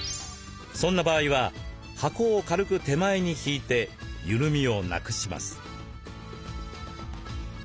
そんな場合は箱を軽く手前に引いて緩みをなくします。